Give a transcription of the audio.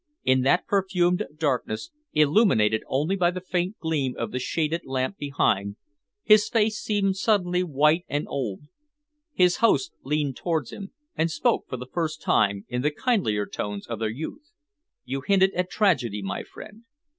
In that perfumed darkness, illuminated only by the faint gleam of the shaded lamp behind, his face seemed suddenly white and old. His host leaned towards him and spoke for the first time in the kindlier tones of their youth. "You hinted at tragedy, my friend.